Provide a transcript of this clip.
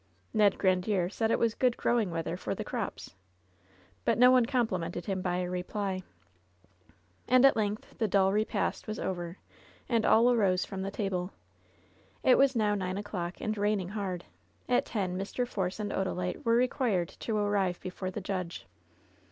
Ned Grandiere said it was good growing weather for the crops. But no one complimented him by a reply. And at length the dull repast was over, and all arose from the table. It was now nine o'clock, and raining hard. At ten Mr. Force and Odalite were required to arrive before the judge.